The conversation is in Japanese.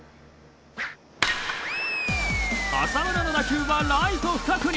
浅村の打球はライト深くに。